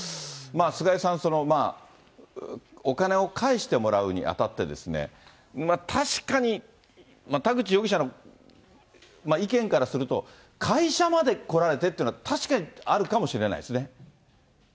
菅井さん、お金を返してもらうにあたって、確かに、田口容疑者の意見からすると、会社まで来られてっていうのは、確かにあるかもしれないですね。